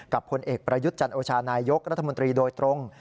ผลเอกประยุทธ์จันโอชานายกรัฐมนตรีโดยตรง